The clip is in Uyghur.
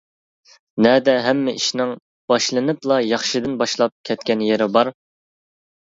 نەدە ھەممە ئىشنىڭ باشلىنىپلا ياخشىدىن باشلاپ كەتكەن يېرى بار.